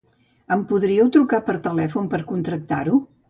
Em podríeu trucar per telèfon per contractar-ho?